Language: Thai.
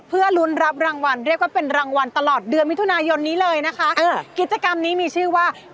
เพื่อลุ้นรับรางวัลเรียกว่าเป็นรางวัลตลอดเดือนวิทุนายลนี้เลยนะคะ